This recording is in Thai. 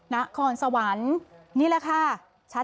นครสวรรค์นี่แหละค่ะ